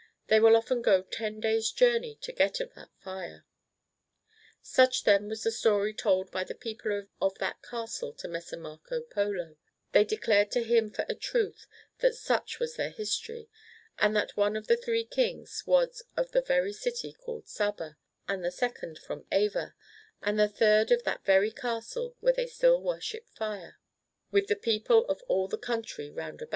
They will often go ten days' journey to get of that fire.^ Such then was the story told by the people of that Castle to Messer Marco Polo ; they declared to him for a truth that such was their history, and that one of the three kings was of the city called Saba, and the second of AvA, and the third of that very Casde where they still worship fire, with the people of all the country round about.